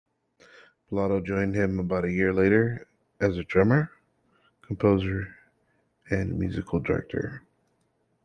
Piloto joined him about a year later as drummer, composer and musical director.